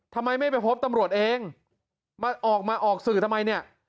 ทำไมไม่ไปพบตำรวจเองมาออกมาออกสื่อทำไมเนี่ย